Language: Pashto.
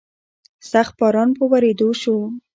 سخت باران په ورېدو شو.